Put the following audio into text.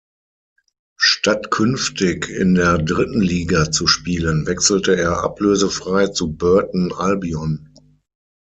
Statt künftig in der dritten Liga zu spielen, wechselte er ablösefrei zu Burton Albion.